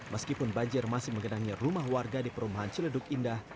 meskipun banjir masih menggenangi rumah warga di perumahan celeduk indah